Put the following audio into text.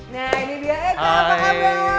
nah ini dia eko apa kabar